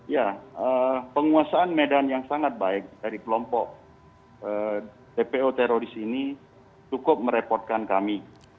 ya penguasaan medan yang sangat baik dari kelompok dpo teroris ini cukup merepotkan kami